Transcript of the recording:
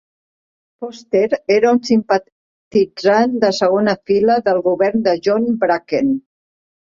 Foster era un simpatitzant de segona fila del govern de John Bracken.